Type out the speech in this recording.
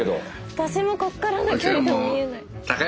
私もこっからの距離見えない。